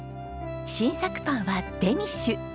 新作パンはデニッシュ。